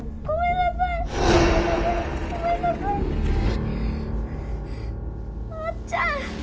あっちゃん！